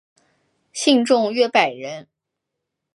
信众约百人。